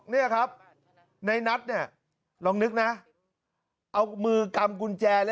นี่ครับในนัทเนี่ยลองนึกนะเอามือกำกุญแจ